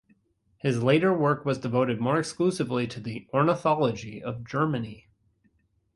His later work was devoted more exclusively to the ornithology of Germany.